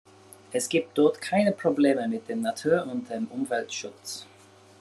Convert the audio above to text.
Es gibt dort keine Probleme mit dem Natur- und dem Umweltschutz.